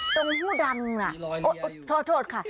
ตรงหุ่นดำโอ๊ะโทษค่ะ